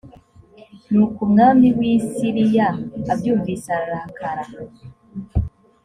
nuko umwami w’i siriya abyumvise ararakara